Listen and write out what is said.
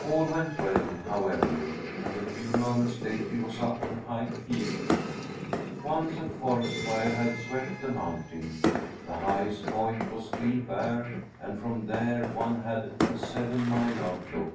All went well, however, and a few moments later he was up on High Peak. Once a forest fire had swept the mountain. The highest point was still bare, and from there one had a seven mile outlook.